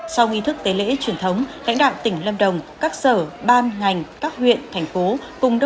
sau nghi thức tế lễ truyền thống lãnh đạo tỉnh lâm đồng các sở ban ngành các huyện thành phố